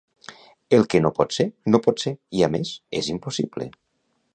El que no pot ser no pot ser, i, a més, és impossible.